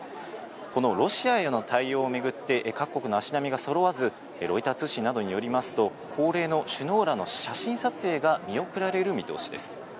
このロシアへの対応をめぐって各国の足並みがそろわず、ロイター通信などによりますと、恒例の首脳らの写真撮影が見送られる見通しです。